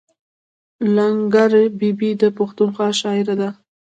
لنګر بي بي د پښتونخوا شاعره ده.